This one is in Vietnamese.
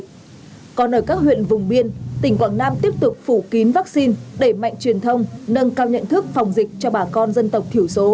từ đó các huyện vùng miên sẽ tiếp tục giữ vững thành trì chống dịch an toàn ở khu vực miền núi quảng nam